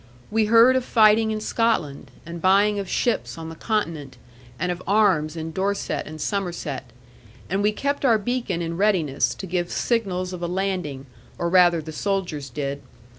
We heard of fighting in Scotland, and buying of ships on the continent, and of arms in Dorset and Somerset; and we kept our beacon in readiness to give signals of a landing; or rather the soldiers did.